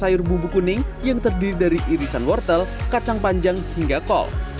akan dibuat dari bubuk kuning yang terdiri dari irisan wortel kacang panjang hingga kol